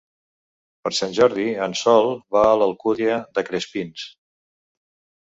Per Sant Jordi en Sol va a l'Alcúdia de Crespins.